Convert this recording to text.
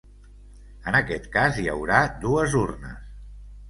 En aquest cas, hi haurà dues urnes.